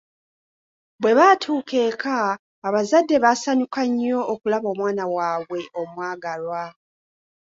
Bwe baatuuka eka abazadde baasanyuka nnyo okulaba omwana waabwe omwagalwa.